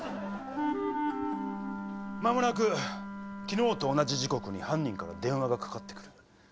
まもなく昨日と同じ時刻に犯人から電話がかかってくる。